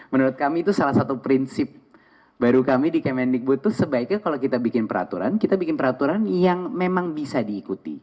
menurut kami itu salah satu prinsip baru kami di kemendikbud itu sebaiknya kalau kita bikin peraturan kita bikin peraturan yang memang bisa diikuti